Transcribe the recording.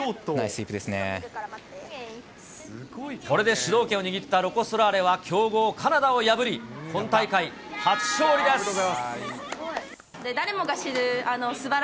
これで主導権を握ったロコ・ソラーレは強豪、カナダを破り、今大会初勝利です。